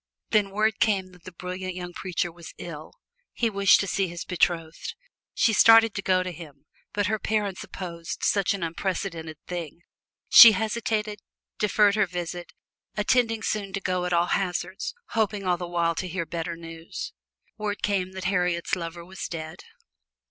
Then word came that the brilliant young preacher was ill; he wished to see his betrothed. She started to go to him, but her parents opposed such an unprecedented thing. She hesitated, deferred her visit intending soon to go at all hazards hoping all the while to hear better news. Word came that Harriet's lover was dead.